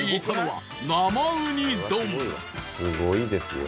すごいですよ。